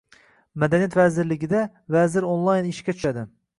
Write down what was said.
Madaniyat vazirligida “Vazir onlayn” ishga tushadi